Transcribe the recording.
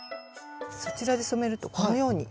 そちらで染めるとこのように。